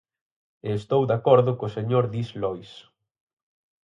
Eu estou de acordo co señor Diz-Lois.